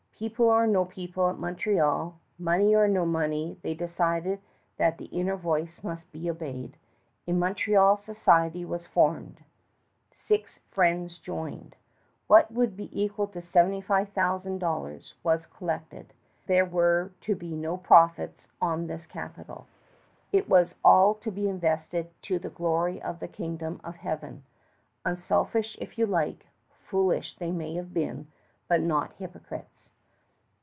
People or no people at Montreal, money or no money, they decided that the inner voice must be obeyed. A Montreal Society was formed. Six friends joined. What would be equal to $75,000 was collected. There were to be no profits on this capital. It was all to be invested to the glory of the Kingdom of Heaven. Unselfish if you like, foolish they may have been, but not hypocrites.